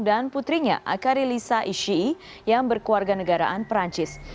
dan putrinya akari lisa ishii yang berkeluarga negaraan perancis